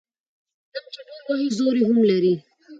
ـ ډم چې ډول وهي زور يې هم لري.